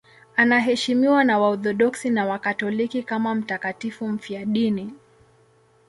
Anaheshimiwa na Waorthodoksi na Wakatoliki kama mtakatifu mfiadini.